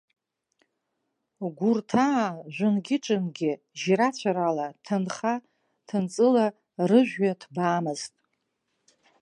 Гәырҭаа жәынгьы-ҿангьы жьра-цәарала, ҭынха-ҭынҵыла рыжәҩа ҭбаамызт.